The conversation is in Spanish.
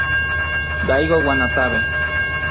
Daigo Watanabe